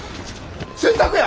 洗濯や！